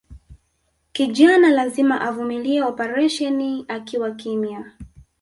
Kijana lazima avumilie operasheni akiwa kimya